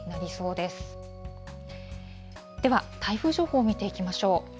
では、台風情報、見ていきましょう。